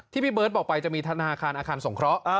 พี่เบิร์ตบอกไปจะมีธนาคารอาคารสงเคราะห์